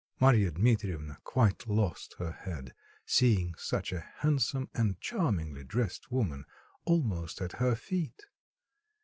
Marya Dmitrievna quite lost her head, seeing such a handsome and charmingly dressed woman almost at her feet.